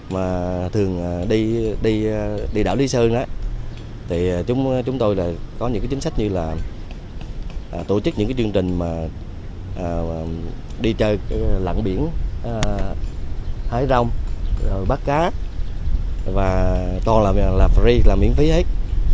mà thường đi đảo lý sơn thì chúng tôi có những chính sách như là tổ chức những chương trình mà đi chơi lặn biển hái rong bắt cá và to là free là miễn phí hết